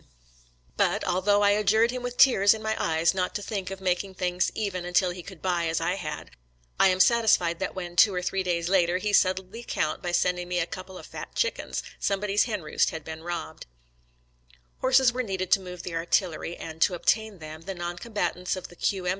124 SOLDIER'S LETTERS TO CHARMING NELLIE But, although I adjured him with tears in my eyes not to think of making things even until he could buy as I had, I am satisfied that when, two or three days later, he settled the account by sending me a couple of fat chickens, some body's henroost had been robbed. ♦•* Horses were needed to move the artillery, and, to obtain them, the non combatants of the Q. M.